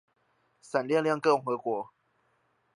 閃亮亮共和國